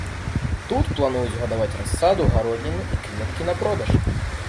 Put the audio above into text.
Тут плануюць гадаваць расаду гародніны і кветкі на продаж.